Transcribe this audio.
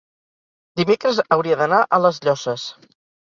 dimecres hauria d'anar a les Llosses.